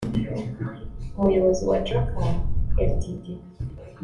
Umuyobozi wa Drakkar Ltd